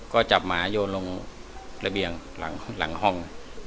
ก็จับหมาโยนลงระเบียงหลังห้อง